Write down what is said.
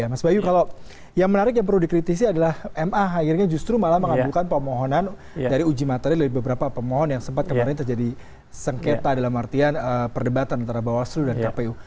mas bayu kalau yang menarik yang perlu dikritisi adalah ma akhirnya justru malah mengabulkan pemohonan dari uji materi dari beberapa pemohon yang sempat kemarin terjadi sengketa dalam artian perdebatan antara bawaslu dan kpu